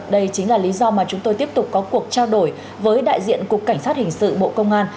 đây chính là lý do mà chúng tôi tiếp tục có cuộc trao đổi với đại diện cục cảnh sát hình sự bộ công an